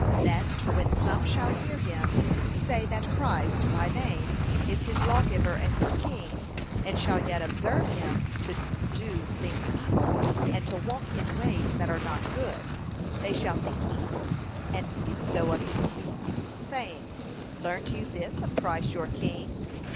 Lest when some shall hear him say that Christ, by name, is his Lawgiver and his King, and shall yet observe him to do things evil, and to walk in ways that are not good, they shall think evil, and speak so of his King; saying, Learnt you this of Christ your King?